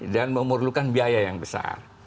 dan memerlukan biaya yang besar